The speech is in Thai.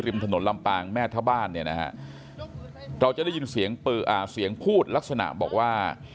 ถนนลำปางแม่ทะบ้านเนี่ยนะฮะเราจะได้ยินเสียงเสียงพูดลักษณะบอกว่า